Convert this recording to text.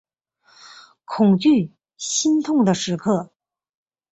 恐惧心痛的时刻